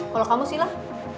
kalau kamu silah